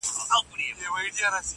اختر چي تېر سي بیا به راسي!.